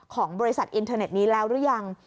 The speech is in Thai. ของบริษัทอินเทอร์เน็ตนี้แล้วหรือยัง